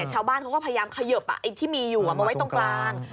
ชาวบ้านเขาก็พยายามเขยิบที่มีอยู่มาไว้ตรงกลาง